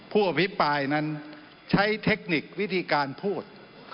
ผู้อภิปรายนั้นใช้เทคนิควิธีการพูด